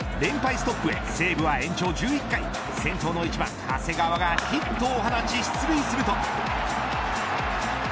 ストップへ西武は延長１１回先頭の１番長谷川がヒットを放ち出塁すると。